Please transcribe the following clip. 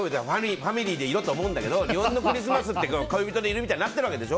ファミリーでいろとは思うんだけど日本のクリスマスは恋人でいるみたいになっているでしょ。